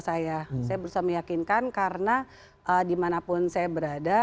saya berusaha meyakinkan karena dimanapun saya berada